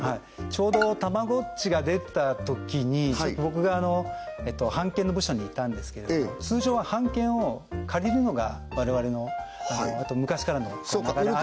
ちょうどたまごっちが出たときに僕が版権の部署にいたんですけれども通常は版権を借りるのが我々の昔からの流れ